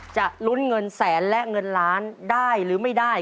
จะลุ้นเงินแสนและเงินล้านได้หรือไม่ได้